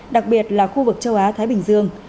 đặc biệt là khu vực châu á thái bình dương